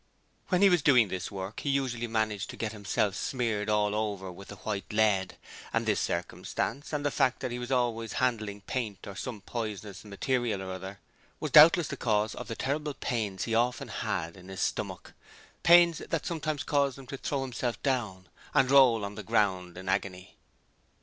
When he was doing this work he usually managed to get himself smeared all over with the white lead, and this circumstance, and the fact that he was always handling paint or some poisonous material or other was doubtless the cause of the terrible pains he often had in his stomach pains that sometimes caused him to throw himself down and roll on the ground in agony.